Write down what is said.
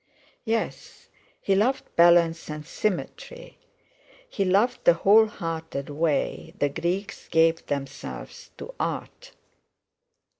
"Yes. He loved balance and symmetry; he loved the whole hearted way the Greeks gave themselves to art."